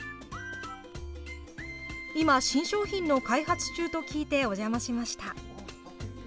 今、新商品の開発中と聞いてお邪魔しました。